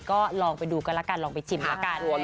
ก็ลองไปดูกันละกันลองไปชิมแล้วกัน